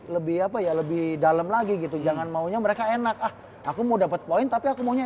lebih apa ya lebih dalam lagi gitu jangan maunya mereka enak ah aku mau dapet moin tapi akum nya